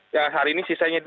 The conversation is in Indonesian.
yang hari ini sisanya